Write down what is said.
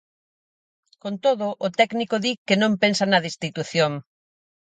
Con todo, o técnico di que non pensa na destitución.